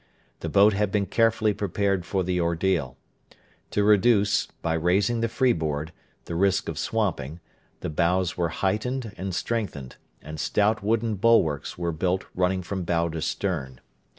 The boat had been carefully prepared for the ordeal. To reduce, by raising the free board, the risk of swamping, the bows were heightened and strengthened, and stout wooden bulwarks were built running from bow to stern.